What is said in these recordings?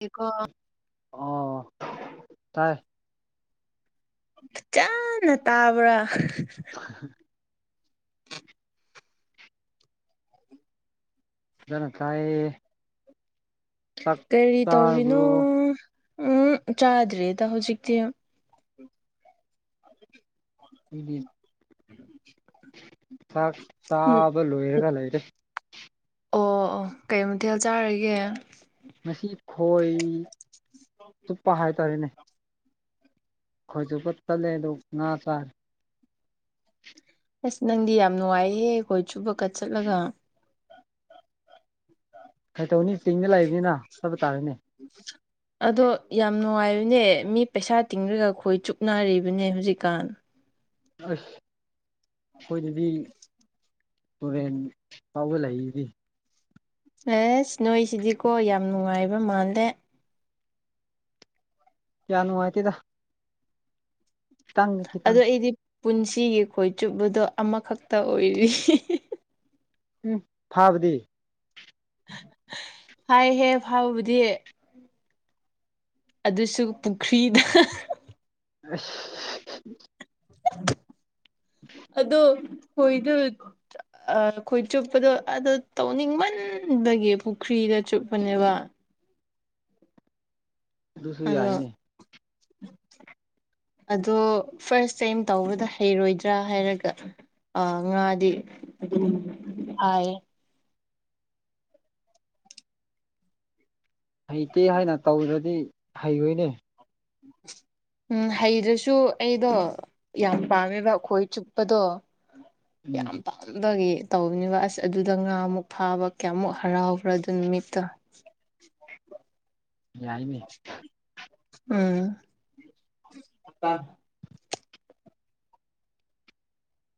ꯌꯦꯣ ꯑꯣ ꯇꯥꯏ ꯆꯥꯅ ꯇꯥꯕ꯭ꯔꯥ [unintelligible] ꯑꯗꯨꯅ ꯀꯥꯏꯌꯦ ꯀꯔꯤ ꯇꯧꯔꯤꯅꯣ ꯆꯥꯔꯕ꯭ꯔꯣ ꯎꯝ ꯆꯥꯗ꯭ꯔꯦꯗ ꯍꯧꯖꯤꯛꯇꯤ ꯗꯤ ꯎꯝ ꯆꯥꯛ ꯇꯥꯕ ꯂꯣꯏꯔꯒ ꯂꯩ ꯑꯣ ꯑꯣ ꯀꯩ ꯃꯊꯦꯜ ꯆꯥꯔꯒꯦ ꯉꯁꯤ ꯈꯣꯏ ꯆꯨꯞꯄ ꯍꯥꯏꯇꯥꯔꯦꯅꯦ ꯈꯣꯏꯁꯨ ꯀꯠꯠꯇꯂꯦ ꯑꯗꯨꯣ ꯉꯥ ꯆꯥꯔꯦ ꯑꯁ ꯅꯪꯗꯤ ꯌꯥꯝ ꯅꯨꯡꯉꯥꯏꯍꯦ ꯑꯩꯈꯣꯏ ꯆꯨꯞꯕ ꯀꯠ ꯆꯠꯂꯒ ꯀꯩꯗꯧꯅꯤ ꯆꯤꯡꯗ ꯂꯩꯕꯅꯤꯅ ꯆꯠꯄ ꯇꯥꯔꯅꯦ ꯑꯗꯣ ꯌꯥꯝ ꯅꯨꯡꯉꯥꯏꯕꯅꯦ ꯃꯤ ꯄꯩꯁꯥ ꯇꯤꯡꯔꯒ ꯑꯩꯈꯣꯏ ꯆꯨꯞꯅꯔꯤꯕꯅꯦ ꯍꯧꯖꯤꯛꯀꯥꯟ ꯑꯁ ꯑꯩꯈꯣꯏꯗꯗꯤ ꯦꯟ ꯐꯥꯎꯕ ꯂꯩꯗꯤ ꯑꯦꯁ ꯅꯣꯏꯁꯤꯗꯤꯀꯣ ꯌꯥꯝ ꯅꯨꯡꯉꯥꯏꯕ ꯃꯥꯜꯂꯦ ꯀꯌꯥ ꯅꯨꯅꯨꯡꯉꯥꯏꯇꯤꯗ ꯑꯗꯣ ꯈꯤꯇꯪ ꯑꯩꯗꯤ ꯄꯨꯟꯁꯤꯒꯤ ꯈꯣꯏ ꯆꯨꯞꯕꯗꯣ ꯑꯃꯈꯛꯇ ꯑꯣꯏꯔꯤ ꯎꯝ ꯊꯥꯕꯗꯤ ꯍꯥꯏꯍꯦ ꯐꯥꯎꯕꯕꯨꯗꯤ ꯑꯗꯨꯁꯨ ꯄꯨꯈ꯭ꯔꯤꯗ ꯑ ꯑꯗꯣ ꯍꯣꯏꯗ ꯑꯩꯈꯣꯏ ꯆꯨꯞꯄꯗꯣ ꯑꯗ ꯇꯧꯅꯤꯡꯃꯟꯕꯒꯤ ꯄꯨꯈ꯭ꯔꯤꯗ ꯆꯨꯞꯄꯅꯦꯕ ꯑꯗꯨꯁꯨ ꯑꯗꯣ [unintelligible] ꯑꯗꯣ ꯐꯥꯔꯁ ꯇꯥꯏꯝ ꯇꯧꯕꯗ ꯍꯩꯔꯣꯏꯗ꯭ꯔꯥ ꯍꯥꯏꯔꯒ ꯑꯥ ꯉꯥꯗꯤ ꯑꯗꯨ ꯍꯥꯏꯌꯦ ꯍꯩꯇꯦ ꯍꯥꯏꯅ ꯇꯧ꯭ꯔꯗꯤ ꯍꯩꯔꯣꯏꯅꯦ ꯎꯝ ꯍꯩꯗꯁꯨ ꯑꯩꯗꯣ ꯌꯥꯝ ꯄꯥꯝꯃꯦꯕ ꯑꯩꯈꯣꯏ ꯆꯨꯞꯄꯗꯣ ꯎꯝ ꯌꯥꯇ ꯒꯤ ꯇꯧꯕꯅꯦꯕ ꯑꯁ ꯑꯗꯨꯗ ꯉꯥꯃꯨꯛ ꯐꯥꯕ ꯀꯌꯥꯃꯨꯛ ꯍꯔꯥꯎꯕ꯭ꯔꯥ ꯑꯗꯨ ꯅꯨꯃꯤꯠꯇꯣ ꯌꯥꯏꯅꯦ ꯎꯝ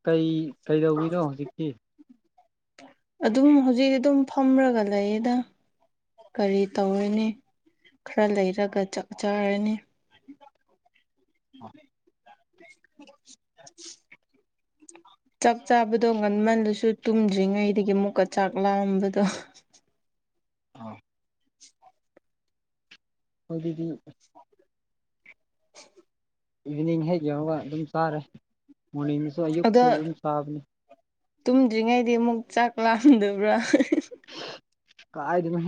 ꯀꯩ ꯀꯩꯗꯧꯕꯤꯅꯣ ꯍꯧꯖꯤꯛꯇꯤ ꯑꯗꯨꯝ ꯍꯧꯖꯤꯛꯤ ꯑꯗꯨꯝ ꯐꯝꯔꯒ ꯂꯩꯌꯦꯗꯪ ꯀꯔꯤ ꯇꯧꯔꯅꯤ ꯈꯔ ꯂꯩꯔꯒ ꯆꯥꯛꯆꯔꯅꯤ ꯑ [unintelligible] ꯆꯥꯛ ꯆꯥꯕꯗꯣ ꯉꯟꯃꯟꯗꯨꯁꯨ ꯇꯨꯝꯗ꯭ꯔꯤꯉꯩꯗꯒꯤ ꯃꯨꯛꯀ ꯆꯥꯛ ꯂꯥꯛꯑꯝꯕꯗꯣ ꯑ ꯍꯣꯏꯗꯤ [unintelligible] ꯏꯚꯤꯅꯤꯡ ꯍꯦꯛ ꯌꯧꯔꯒ ꯑꯗꯨꯝ ꯆꯥꯔꯦ ꯃꯣꯔꯅꯤꯡꯗꯁꯨ ꯑꯌꯨꯛꯇ ꯑꯗꯣ ꯑꯗꯨꯝ ꯆꯥꯕꯅꯦ ꯇꯨꯝꯗ꯭ꯔꯤꯉꯩꯗꯤ ꯑꯃꯨꯛ ꯆꯥꯛ ꯂꯥꯝꯗꯕ꯭ꯔꯥ ꯀꯥꯏꯗ ꯅ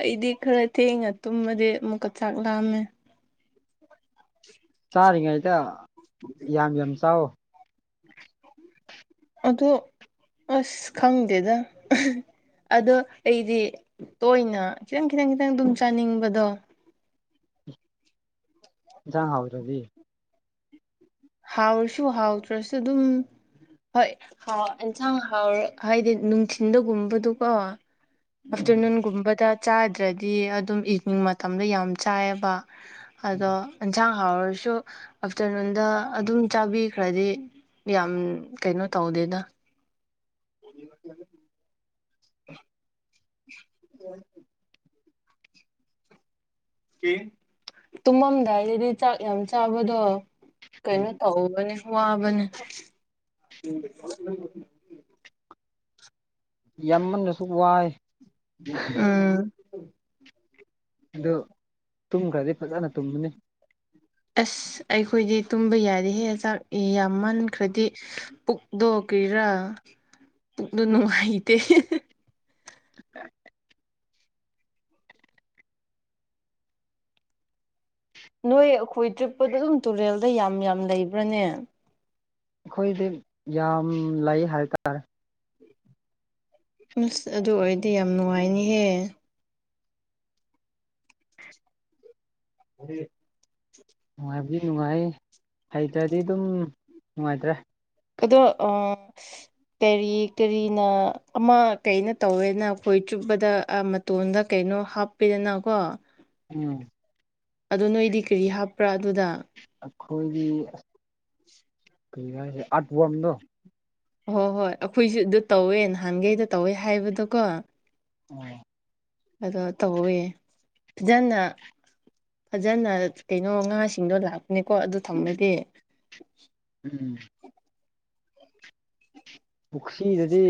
ꯑꯩꯗꯤ ꯈꯔ ꯊꯦꯡꯉ ꯇꯨꯝꯃꯗꯤ ꯑꯃꯨꯛꯀ ꯆꯥꯛ ꯂꯥꯝꯃꯦ ꯆꯥꯔꯤꯉꯩꯗ ꯌꯥꯝ ꯌꯥꯝ ꯆꯥꯎ ꯑ ꯑꯁ ꯈꯪꯗꯦꯗ ꯑꯗꯣ ꯑꯩꯗꯤ ꯇꯣꯏꯅ ꯈꯤꯇꯪ ꯈꯤꯇꯪ ꯈꯤꯇꯪ ꯑꯗꯨꯝ ꯆꯥꯅꯤꯡꯕꯗꯣ ꯍꯥꯎ꯭ꯔꯗꯤ ꯍꯥꯎꯔꯁꯨ ꯍꯥꯎꯗ꯭ꯔꯁꯨ ꯑꯗꯨꯝ ꯍꯣꯏ ꯑꯦꯟꯁꯥꯡ ꯍꯥꯎꯔ ꯍꯥꯏꯗꯤ ꯅꯨꯡꯊꯤꯤꯟꯗꯒꯨꯝꯕꯗꯨꯀꯣ ꯑꯥꯐꯇꯔꯅꯨꯟꯒꯨꯝꯕꯗ ꯆꯥꯗ꯭ꯔꯗꯤ ꯑꯗꯨꯝ ꯏꯚꯅꯤꯡ ꯃꯇꯝꯗ ꯌꯥꯝ ꯆꯥꯏꯑꯕ ꯑꯗꯣ ꯌꯦꯟꯁꯥꯡ ꯍꯥꯎꯔꯁꯨ ꯑꯥꯐꯇꯔꯅꯨꯟꯗ ꯑꯗꯨꯝ ꯆꯥꯕꯤꯈ꯭ꯔꯗꯤ ꯌꯥꯝ ꯀꯩꯅꯣ ꯇꯧꯗꯦꯗ [unintelligible] ꯎꯝ ꯇꯨꯝꯃꯝꯗꯥꯏꯗꯗꯤ ꯆꯥꯛ ꯌꯥꯝ ꯆꯥꯕꯗꯣ ꯀꯩꯅꯣ ꯑꯅꯦ ꯋꯥꯋꯥꯕꯅꯦ ꯌꯥꯝꯃꯟꯅꯁꯨ ꯋꯥꯏ ꯎꯝ ꯑꯗꯨ ꯇꯨꯝꯈ꯭ꯔꯗꯤ ꯐꯖꯅ ꯇꯨꯝꯕꯅꯤ ꯑꯁ ꯑꯩꯈꯣꯏꯗꯤ ꯇꯨꯝꯕ ꯌꯥꯔꯦꯍꯦ ꯆꯥꯛ ꯌꯥꯝꯃꯟꯈ꯭ꯔꯗꯤ ꯄꯨꯛꯗꯣ ꯀꯩꯔꯥ ꯄꯨꯛꯗꯣ ꯅꯨꯡꯉꯥꯏꯇꯦ [inaudible] ꯅꯣꯏ ꯑꯩꯈꯣꯏ ꯇ꯭ꯔꯤꯛꯄꯗ ꯑꯗꯨꯝ ꯇꯨꯔꯦꯜꯗ ꯌꯥꯝ ꯌꯥꯝ ꯂꯩꯕ꯭ꯔꯅꯦ ꯑꯩꯈꯣꯏꯗꯤ ꯌꯥꯝ ꯂꯩ ꯍꯥꯏꯇꯥꯔꯦ ꯑꯁ ꯑꯗꯨ ꯑꯣꯏꯔꯗꯤ ꯌꯥꯝ ꯅꯨꯡꯉꯥꯏꯅꯤꯍꯦ ꯎ ꯅꯨꯡꯉꯥꯏꯕꯗꯤ ꯅꯨꯡꯉꯥꯏ ꯍꯩꯇ꯭ꯔꯗꯤ ꯑꯗꯨꯝ ꯅꯨꯡꯉꯥꯏꯇ꯭ꯔꯦ ꯑꯗꯣ ꯑ ꯀꯔꯤ ꯀꯔꯤꯅ ꯑꯃ ꯀꯩꯅ ꯇꯧꯋꯦꯅ ꯑꯩꯈꯣꯏ ꯆꯨꯞꯕꯗ ꯇꯣꯟꯗ ꯀꯩꯅꯣ ꯍꯥꯞꯄꯤꯗꯅꯀꯣ ꯎꯝ ꯑꯗꯣ ꯅꯣꯏꯗꯤ ꯀꯔꯤ ꯍꯥꯞꯄ꯭ꯔꯥ ꯑꯗꯨꯗ ꯑꯩꯈꯣꯏꯒꯤ ꯀꯔꯤ ꯍꯥꯏꯁꯦ ꯑꯥꯔꯠꯕꯝꯅꯣ ꯍꯣꯏ ꯍꯣꯏ ꯑꯩꯈꯣꯏꯁꯨ ꯑꯗꯨ ꯇꯧꯋꯦ ꯅꯍꯥꯟꯒꯩꯗ ꯇꯧꯋꯦ ꯍꯥꯏꯕꯗꯣꯀꯣ ꯎꯝ ꯑꯗꯣ ꯇꯧꯋꯦ ꯐꯖꯅ ꯐꯖꯅ ꯀꯩꯅꯣ ꯉꯥꯁꯤꯡꯗꯣ ꯂꯥꯛꯄꯅꯦꯀꯣ ꯑꯗꯨ ꯊꯝꯃꯗꯤ ꯎꯝ ꯄꯨꯈ꯭ꯔꯤꯗꯗꯤ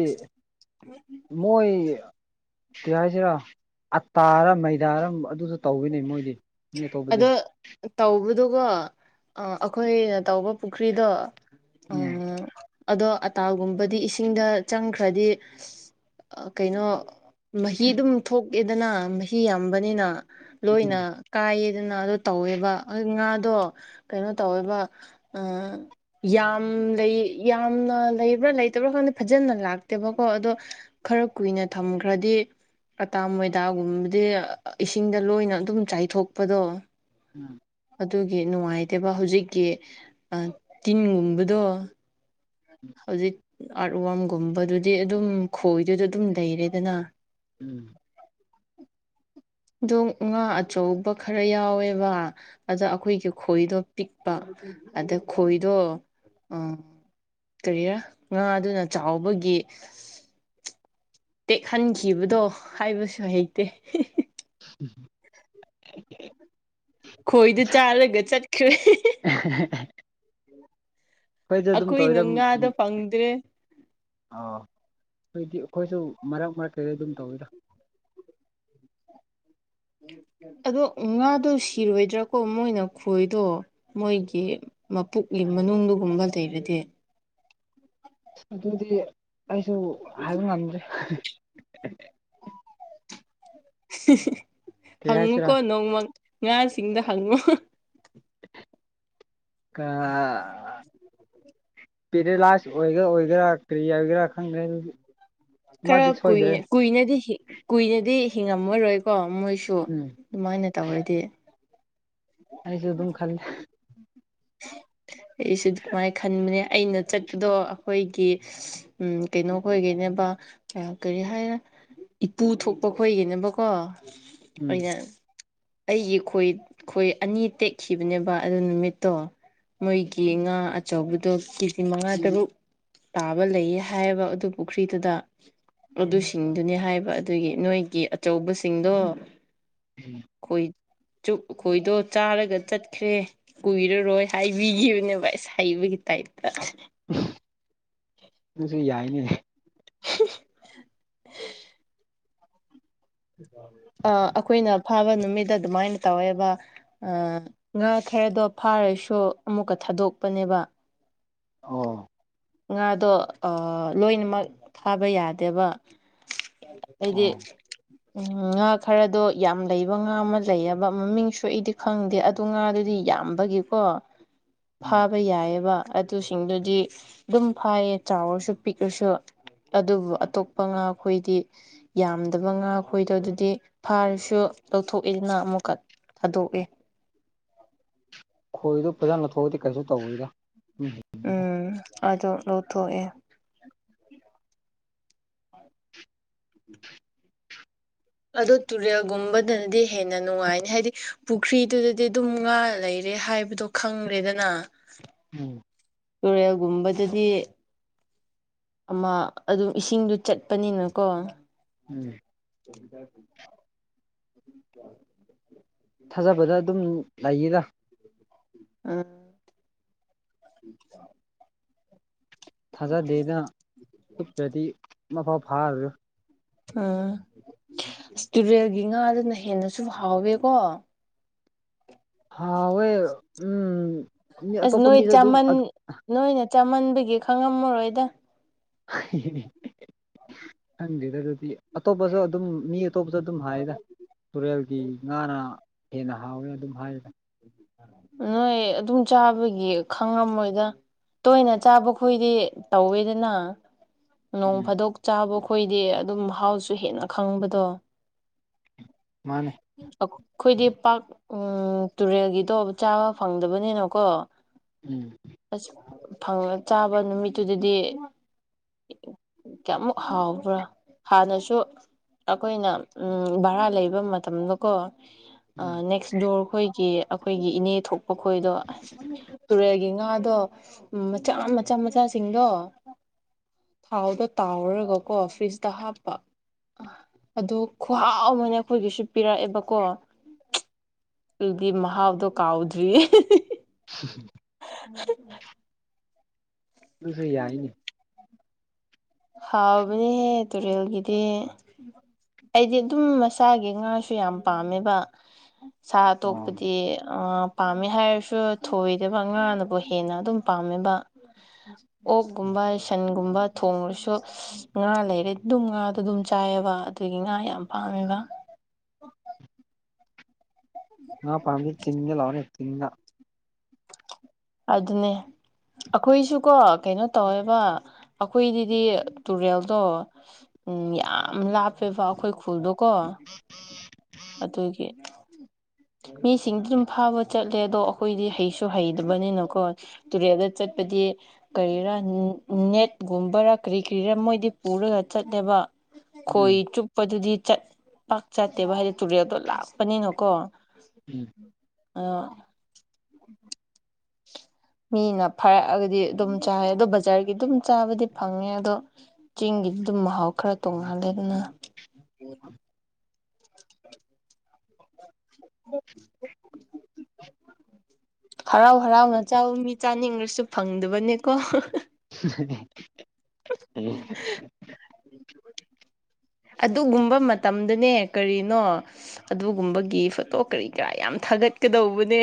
ꯎ ꯃꯣꯏ ꯇꯤ ꯍꯥꯏꯁꯤꯔ ꯑꯇꯥꯔ ꯃꯩꯗꯥꯔ ꯑꯗꯨꯁꯨ ꯇꯧꯕꯋꯅꯦ ꯃꯣꯏꯗꯤ ꯃꯤ ꯑꯇꯣꯞꯄꯗꯤ ꯑꯗꯣ ꯇꯧꯕꯗꯨꯀꯣ ꯑꯩꯈꯣꯏꯅ ꯇꯧꯕ ꯄꯨꯈ꯭ꯔꯤꯗꯣ ꯎꯝ ꯑꯗꯣ ꯑꯇꯥꯒꯨꯝꯕꯗꯤ ꯏꯁꯤꯡꯗ ꯆꯪꯈ꯭ꯔꯗꯤ ꯀꯩꯅꯣ ꯃꯍꯤꯗꯨꯝ ꯊꯣꯛꯑꯦꯗꯅ ꯃꯍꯤ ꯌꯥꯝꯕꯅꯤꯅ ꯎꯝ ꯂꯣꯏꯅ ꯀꯥꯏꯌꯦꯗꯅ ꯑꯗꯨ ꯇꯧꯋꯦꯕ ꯉꯥꯗꯣ ꯀꯩꯅꯣ ꯇꯧꯋꯦꯕ ꯑꯥ ꯌꯥꯝ ꯂꯩ ꯌꯥꯝꯅ ꯂꯩꯕ꯭ꯔꯥ ꯂꯩꯇꯕ꯭ꯔꯥ ꯈꯪꯗꯦ ꯐꯖꯅ ꯂꯥꯛꯇꯦꯕꯀꯣ ꯑꯗꯣ ꯈꯔ ꯀꯨꯏꯅ ꯊꯝꯈ꯭ꯔꯗꯤ ꯑꯇꯥ ꯃꯣꯏꯗꯥꯒꯨꯝꯕꯗꯤ ꯏꯁꯤꯡꯗ ꯂꯣꯏꯅ ꯑꯗꯨꯝ ꯆꯥꯏꯊꯣꯛꯄꯗꯣ ꯎꯝ ꯑꯗꯨꯒꯤ ꯅꯨꯡꯉꯥꯏꯇꯕ ꯍꯧꯖꯤꯛꯀꯤ ꯇꯤꯟꯒꯨꯝꯕꯗꯣ ꯍꯧꯖꯤꯛ ꯑꯥꯔꯠ ꯋꯥꯔꯝꯒꯨꯝꯕꯗꯨꯗꯤ ꯑꯗꯨꯝ ꯈꯣꯏꯗꯨꯗ ꯑꯗꯨꯝ ꯂꯩꯔꯦꯗꯅ ꯎꯝ ꯑꯗꯣ ꯉꯥ ꯑꯆꯧꯕ ꯈꯔ ꯌꯥꯎꯋꯦꯕ ꯑꯗ ꯑꯩꯈꯣꯏꯒꯤ ꯈꯣꯏꯗꯣ ꯄꯤꯛꯄ ꯑꯗ ꯈꯣꯏꯗꯣ ꯑ ꯀꯔꯤꯔꯥ ꯉꯥ ꯑꯢꯗꯨꯅ ꯆꯥꯎꯕꯒꯤ ꯇꯦꯛꯍꯟꯈꯤꯕꯗꯣ ꯍꯥꯏꯕꯁꯨ ꯍꯩꯇꯦ ꯍꯤ ꯎꯝ ꯈꯣꯏꯗꯨ ꯆꯥꯔꯒ ꯆꯠꯈ꯭ꯔꯦ [inaudible] ꯈꯣꯏꯗ ꯑꯗꯨꯝ ꯑꯩꯈꯣꯏꯅ ꯇꯧꯋꯤꯗꯝꯃꯝ ꯉꯥꯗꯣ ꯐꯪꯗ꯭ꯔꯦ ꯑꯥ ꯗꯨꯏꯗꯤ ꯑꯈꯣꯏꯁꯨ ꯃꯔꯛ ꯃꯔꯛ ꯀꯩꯗ ꯑꯗꯨꯝ ꯇꯧꯋꯤꯗ ꯑꯗꯣ ꯉꯥꯗꯣ ꯁꯤꯔꯣꯏꯗ꯭ꯔꯥꯀꯣ ꯃꯣꯏꯅ ꯈꯣꯏꯗꯣ ꯃꯣꯏꯒꯤ ꯃꯄꯨꯛꯂꯤ ꯃꯅꯨꯡꯗꯨꯒꯨꯝꯕ ꯂꯩꯔꯗꯦ ꯑꯗꯨꯗꯤ ꯑꯩꯁꯨ ꯍꯥꯏꯕ ꯉꯝꯗ꯭ꯔꯦ ꯀꯩ ꯍꯥꯏꯁꯤꯔꯥ ꯍꯪꯉꯨꯀꯣ ꯅꯣꯡꯃ ꯉꯥꯁꯤꯡꯗ ꯍꯪꯉꯣ ꯀꯥ ꯄꯦꯔꯦꯂꯥꯏꯁ ꯑꯣꯏꯒꯦꯔ ꯑꯣꯏꯒꯦꯔꯥ ꯀꯔꯤ ꯍꯥꯏꯒꯦꯔ ꯈꯪꯗꯦ ꯑꯗꯨꯗꯤ ꯈꯔ ꯃꯥꯗꯤ ꯁꯣꯏꯗ꯭ꯔꯦ ꯀꯨꯏꯅ ꯀꯨꯏꯅꯗꯤ ꯍꯤ ꯀꯨꯏꯅꯗꯤ ꯍꯤꯡꯉꯝꯃꯔꯣꯏꯀꯣ ꯃꯣꯏꯁꯨ ꯎꯝ ꯑꯃꯥꯏꯅ ꯇꯧꯔꯗꯤ ꯑꯩꯁꯨ ꯑꯗꯨꯝ ꯈꯜꯂꯦ ꯑꯩꯁꯨ ꯗꯨꯃꯥꯏꯅ ꯈꯟꯕꯅꯦ ꯑꯩꯅ ꯆꯠꯄꯗꯣ ꯑꯈꯣꯏꯒꯤ ꯎꯝ ꯀꯩꯅꯣ ꯈꯣꯏꯒꯤꯅꯦꯕ ꯑꯝ ꯀꯔꯤ ꯍꯥꯏꯔ ꯏꯄꯨ ꯊꯣꯛꯄ ꯈꯣꯏꯒꯤꯕꯀꯣ ꯎꯝ ꯑꯣꯏꯅ ꯑꯩꯒꯤ ꯈꯣꯏ ꯈꯣꯏ ꯑꯅꯤ ꯇꯦꯛꯈꯤꯕꯅꯦꯕ ꯑꯗꯨ ꯅꯨꯃꯤꯠ ꯗꯣ ꯃꯣꯏꯒꯤ ꯉꯥ ꯑꯆꯧꯕꯗꯣ ꯀꯦꯖꯤ ꯃꯉꯥ ꯇꯔꯨꯛ ꯇꯥꯕ ꯂꯩꯌꯦ ꯍꯥꯏꯌꯦꯕ ꯑꯗꯨ ꯄꯨꯈ꯭ꯔꯤꯗꯨꯗ ꯑꯗꯨꯁꯤꯡꯗꯨꯅꯤ ꯍꯥꯏꯕ ꯑꯗꯨꯒꯤ ꯅꯣꯏꯒꯤ ꯑꯆꯧꯕꯁꯤꯡꯗꯣ [unintelligible] ꯈꯣꯏꯠ ꯆꯨꯞ ꯈꯣꯏꯗꯣ ꯆꯥꯔꯒ ꯆꯠꯈ꯭ꯔꯦ ꯀꯨꯏꯔꯔꯣꯏ ꯍꯥꯏꯕꯤꯒꯤꯕꯅꯦꯕ ꯑꯁ ꯍꯩꯕꯒꯤ ꯇꯥꯏꯞꯇ ꯅꯪꯁꯨ ꯌꯥꯏꯅꯦ [unintelligible] ꯑ ꯑꯩꯈꯣꯏꯅ ꯐꯥꯕ ꯅꯨꯃꯤꯠꯇ ꯑꯗꯨꯃꯥꯏꯟ ꯇꯧꯋꯦꯕ ꯑ ꯉꯥ ꯈꯔꯗꯣ ꯐꯥꯔꯁꯨ ꯑꯃꯨꯛꯀ ꯊꯥꯗꯣꯛꯄꯅꯦꯕ ꯑꯣ ꯉꯥꯗꯣ ꯑ ꯂꯣꯏꯅꯃꯛ ꯊꯥꯕ ꯌꯥꯗꯦꯕ ꯑꯩꯗꯤ ꯑꯣ ꯎꯝ ꯉꯥ ꯈꯔꯗꯣ ꯌꯥꯝ ꯂꯩꯕ ꯉꯥ ꯑꯃ ꯂꯩꯑꯕ ꯃꯃꯤꯡꯁꯨ ꯑꯩꯗꯤ ꯈꯪꯗꯦ ꯑꯠ ꯇꯣ ꯉꯥꯗꯨꯗꯤ ꯌꯥꯝꯕꯒꯤꯀꯣ [inaudible] ꯐꯥꯕ ꯌꯥꯏꯌꯦꯕ ꯑꯗꯨꯁꯤꯡꯗꯨꯗꯤ ꯑꯗꯨꯝ ꯐꯥꯏꯌꯦ ꯆꯥꯎꯔꯁꯨ ꯄꯤꯛꯔꯁꯨ ꯑꯗꯨꯕꯨ ꯑꯇꯣꯞꯄ ꯉꯥꯈꯣꯏꯗꯤ ꯌꯥꯝꯗꯕ ꯉꯥ ꯈꯣꯏꯗꯣ ꯑꯗꯨꯗꯤ ꯐꯥꯔꯁꯨ ꯂꯧꯊꯣꯛꯑꯦꯗꯅ ꯑꯃꯨꯛꯀꯠ ꯊꯥꯗꯣꯛꯑꯦ ꯈꯣꯏꯗꯣ ꯐꯖꯅ ꯊꯣꯛꯑꯗꯤ ꯀꯩꯁꯨ ꯇꯧꯋꯤꯗ ꯎꯝ ꯑꯗꯣ ꯂꯧꯊꯣꯛꯑꯦ ꯑꯗꯣ ꯇꯨꯔꯦꯜꯒꯨꯝꯕꯗꯗꯤ ꯍꯦꯟꯅ ꯅꯨꯡꯉꯥꯏꯅꯤ ꯍꯥꯏꯗꯤ ꯄꯨꯈ꯭ꯔꯤꯗꯨꯗꯗꯤ ꯑꯗꯨꯝ ꯉꯥ ꯂꯩꯔꯦ ꯍꯥꯏꯕꯗꯣ ꯈꯪꯔꯦꯗꯅ ꯎꯝ ꯇꯨꯔꯦꯜꯒꯨꯝꯕꯗꯗꯤ ꯑꯃ ꯑꯗꯨꯝ ꯏꯁꯤꯡꯗꯨ ꯆꯠꯄꯅꯤꯅꯀꯣ ꯎꯝ ꯊꯥꯖꯕꯗ ꯑꯗꯨꯝ ꯂꯩꯌꯦꯗ ꯑꯥ [inaudible] ꯊꯥꯖꯗꯦꯗꯅ ꯎꯠꯇ꯭ꯔꯗꯤ ꯃꯐꯥꯎ ꯐꯥꯔꯔꯣꯏ ꯎꯝ ꯑꯁ ꯇꯨꯔꯦꯜꯒꯤ ꯉꯥꯗꯨꯅ ꯍꯦꯟꯅꯁꯨ ꯍꯥꯎꯋꯦꯀꯣ ꯍꯥꯎꯋꯦ ꯃꯤ ꯑꯁ ꯑꯇꯣꯞꯄ ꯅꯣꯏ ꯃꯤꯗ ꯑꯗꯨꯝ ꯆꯥꯃꯟ ꯅꯣꯏꯅ ꯆꯃꯟꯕꯒꯤ ꯈꯪꯉꯝꯃꯔꯣꯏꯗ [unintelligible] ꯈꯪꯗꯦꯗ ꯑꯗꯨꯗꯤ ꯑꯇꯣꯞꯄꯁꯨ ꯑꯗꯨꯝ ꯃꯤ ꯑꯇꯣꯞꯄꯁꯨ ꯑꯗꯨꯝ ꯍꯥꯏꯌꯦꯗ ꯇꯨꯔꯦꯜꯒꯤ ꯉꯥꯅ ꯍꯦꯟꯅ ꯍꯥꯎꯋꯦ ꯑꯗꯨꯝ ꯍꯥꯏꯔꯤꯗ ꯅꯣꯏ ꯑꯗꯨꯝ ꯆꯥꯕꯒꯤ ꯈꯪꯉꯝꯃꯣꯏꯗ ꯇꯣꯏꯅ ꯆꯥꯕꯈꯣꯏꯗꯤ ꯇꯧꯋꯦꯗꯅ ꯅꯣꯡ ꯎꯝ ꯐꯥꯗꯣꯛ ꯆꯥꯕ ꯈꯣꯏꯗꯦ ꯑꯗꯨꯝ ꯃꯍꯥꯎꯁꯨ ꯍꯦꯟꯅ ꯈꯪꯕꯗꯣ ꯃꯥꯅꯦ ꯑꯩꯈꯣꯏꯗꯤ ꯄꯥꯛ ꯎ ꯇꯨꯔꯦꯜꯒꯤ ꯑꯇꯣꯞ ꯆꯥꯕ ꯐꯪꯗꯕꯅꯤꯅꯀꯣ ꯎꯝ ꯑꯁꯪ ꯆꯥꯕ ꯅꯨꯃꯤꯠꯇꯨꯗꯗꯤ ꯀꯌꯥꯃꯨꯛ ꯍꯥꯎꯕ꯭ꯔꯥ ꯍꯥꯟꯅꯁꯨ ꯑꯩꯈꯣꯏꯅ ꯚꯔꯥ ꯂꯩꯕ ꯃꯇꯝꯗꯀꯣ ꯎꯝ ꯅꯦꯛꯁ ꯗꯣꯔ ꯑꯩꯈꯣꯏꯒꯤ ꯑꯩꯈꯣꯏꯒꯤ ꯏꯅꯦ ꯊꯣꯛꯄ ꯈꯣꯏꯗꯣ ꯇꯨꯔꯦꯜꯒꯤ ꯉꯥꯗꯣ ꯎꯝ ꯃꯆꯥ ꯃꯆꯥ ꯃꯆꯥꯁꯤꯡꯗꯣ ꯍꯥꯎꯗ ꯇꯥꯎꯔꯒꯀꯣ ꯐꯔꯤꯖꯇ ꯍꯥꯞꯄ ꯑꯣ ꯈꯍꯥꯎ ꯑꯃꯅ ꯑꯩꯈꯣꯏꯒꯤꯁꯨ ꯄꯤꯔꯛꯑꯦꯕꯀꯣ ꯑꯩꯗꯤ ꯃꯍꯥꯎꯗꯣ ꯀꯥꯎꯗ꯭ꯔꯤꯌꯦ [unintelligible] [unintelligible] [unintelligible] ꯑꯗꯨꯁꯨ ꯌꯥꯏꯅꯦ ꯍꯥꯎꯕꯅꯦꯍ ꯇꯨꯔꯦꯜꯒꯤꯗꯤ ꯑꯩꯗꯤ ꯑꯗꯨꯝ ꯃꯁꯥꯒꯤ ꯉꯥꯁꯨ ꯌꯥꯝ ꯄꯥꯝꯃꯦꯕ ꯁꯥ ꯑꯣ ꯇꯣꯛꯄꯗꯤ ꯑ ꯄꯥꯝꯃꯦ ꯍꯥꯏꯔꯁꯨ ꯊꯣꯏꯗꯕ ꯑꯉꯥꯡꯅꯕꯨ ꯍꯦꯟꯅ ꯑꯗꯨꯝ ꯄꯥꯝꯃꯦꯕ ꯑꯣꯛꯀꯨꯝꯕ ꯁꯟꯒꯨꯝꯕ ꯊꯣꯡꯉꯨꯔꯁꯨ ꯁꯨ ꯉꯥ ꯂꯩꯔꯦ ꯑꯗꯨꯝ ꯉꯥꯗꯣ ꯑꯗꯨꯝ ꯆꯥꯏꯑꯕ ꯑꯗꯨꯒꯤ ꯉꯥ ꯌꯥꯝ ꯄꯥꯃꯦꯕ ꯑ ꯄꯝꯕꯤ ꯆꯤꯡꯉ ꯂꯥꯎꯅꯦ ꯆꯤꯡꯉ ꯑꯗꯨꯅꯦ ꯑꯩꯈꯣꯏꯁꯨꯀꯣ ꯀꯩꯅꯣ ꯇꯧꯋꯦꯕ ꯑꯩꯈꯣꯏꯗꯗꯤ ꯇꯨꯔꯦꯜꯗꯣ ꯎꯝ ꯌꯥꯝ ꯂꯥꯞꯄꯦꯕ ꯑꯩꯈꯣꯏ ꯈꯨꯜꯗꯣꯀꯣ ꯑꯩꯈꯣꯏꯒꯤ ꯃꯤꯁꯤꯡꯗꯤ ꯑꯗꯨꯝ ꯐꯥꯕ ꯆꯠꯂꯦ ꯑꯗꯣ ꯑꯩꯈꯣꯏꯗꯤ ꯍꯩꯁꯨ ꯍꯩꯇꯕꯅꯤꯅꯀꯣ ꯇꯨꯔꯦꯜꯗ ꯆꯠꯄꯗꯤ ꯀꯔꯤꯔꯥ ꯅꯦꯠꯒꯨꯝꯕꯔꯥ ꯀꯔꯤ ꯀꯔꯤꯔ ꯃꯣꯏꯗꯤ ꯄꯨꯔꯒ ꯆꯠꯂꯦꯕ ꯈꯣꯏ ꯎꯝ ꯆꯨꯞꯄꯗꯨꯗꯤ ꯆꯠ ꯄꯥꯛ ꯆꯠꯇꯦ ꯚꯔ ꯇꯨꯔꯦꯜꯗꯣ ꯂꯥꯛꯄꯅꯤꯅꯀꯣ ꯎꯝ ꯑ ꯃꯤꯅ ꯐꯥꯔꯛꯑꯒꯗꯤ ꯑꯗꯨꯝ ꯆꯥꯏ ꯑꯗꯣ ꯕꯖꯥꯔꯒꯤ ꯑꯗꯨꯝ ꯆꯥꯕꯗꯤ ꯐꯪꯉꯦ ꯑꯗꯣ ꯆꯤꯡꯒꯤꯗꯤ ꯑꯗꯨꯝ ꯃꯍꯥꯎ ꯈꯔ ꯇꯣꯡꯉꯥꯜꯂꯦ ꯑꯗꯨꯅ ꯍ ꯎꯝ ꯍꯔꯥꯎ ꯍꯔꯥꯎꯅ ꯆꯕ ꯃꯤ ꯆꯥꯅꯤꯡꯈꯁꯨ ꯐꯪꯗꯕꯅꯦꯀꯣ ꯎꯝ ꯑꯗꯨꯒꯨꯝꯕ ꯃꯇꯝꯗꯅꯦ ꯀꯔꯤꯅꯣ ꯑꯗꯨꯒꯨꯝꯕꯒꯤ ꯐꯣꯇꯣ ꯀꯔꯤ ꯀꯔꯥ ꯌꯥꯝ ꯊꯥꯒꯠꯀꯗꯧꯕꯅꯦ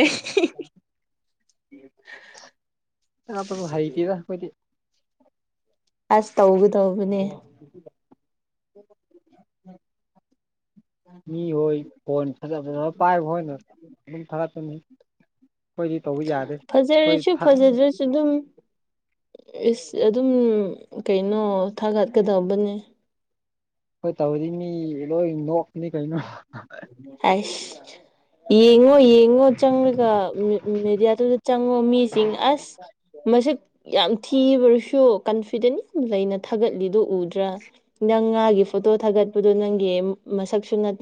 ꯊꯒꯠꯄꯒ ꯍꯩꯇꯦꯗ ꯑꯩꯈꯣꯏꯗꯤ ꯑꯁ ꯇꯧꯒꯗꯧꯕꯅꯦ ꯃꯤꯍꯣꯏ ꯐꯣꯟ ꯐꯖ ꯐꯖ ꯄꯥꯏꯕ ꯍꯣꯏꯅ ꯑꯗꯨꯝ ꯊꯥꯒꯠꯄꯅꯤ ꯑꯩꯈꯣꯏꯗꯤ ꯇꯧꯕ ꯌꯥꯗꯦ ꯑꯩꯈꯣꯏ ꯐꯖꯔꯁꯨ ꯐꯖꯗ꯭ꯔꯁꯨ ꯑꯗꯨꯝ ꯏꯁ ꯑꯗꯨꯝ ꯀꯩꯅꯣ ꯊꯥꯒꯠꯀꯗꯕꯅꯦ ꯍꯣꯏ ꯇꯧꯗꯤ ꯃꯤ ꯂꯣꯏ ꯅꯣꯛꯄꯅꯤ ꯀꯩꯅꯣ ꯑꯁ ꯌꯦꯡꯉꯣ ꯌꯦꯡꯉꯣ ꯆꯪꯂꯒ ꯎꯝ ꯃꯦꯗꯤꯌꯥꯗꯨꯗ ꯆꯪꯉꯣ ꯃꯤꯁꯤꯡ ꯑꯁ ꯃꯁꯛ ꯌꯥꯝ ꯊꯤꯕ꯭ꯔꯁꯨ ꯀꯟꯐꯤꯗꯦꯟ ꯌꯥꯝ ꯂꯩꯅ ꯊꯥꯒꯠꯂꯤꯗꯣ ꯎꯗ꯭ꯔꯥ ꯅꯪ ꯉꯥꯒꯤ ꯐꯣꯇꯣ ꯊꯥꯒꯠꯄꯗꯨꯣ ꯅꯪꯒꯤ ꯃꯁꯛꯁꯨ ꯅꯠꯇꯦ